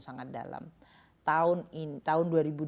sangat dalam tahun